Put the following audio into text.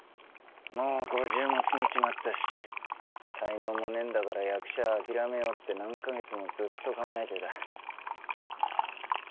もう５０も過ぎちまったし才能もねぇんだから役者諦めようって何か月もずっと考えてた。